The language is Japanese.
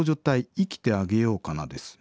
『生きてあげようかな』です。